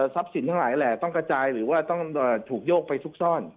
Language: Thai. ทุกอย่างทั้งหลายต้องกระจายหรือว่าต้องถูกโยกไปซุกซ่อน